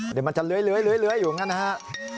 เดี๋ยวมันจะเลื้อยเหลื้อยอยู่ข้างนั้นนะฮะ